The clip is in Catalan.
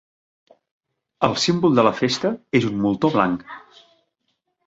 El símbol de la festa és un moltó blanc.